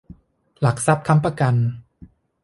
หลักทรัพย์ค้ำประกัน